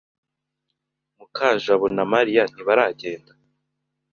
Mukajabo na Mariya ntibaragenda.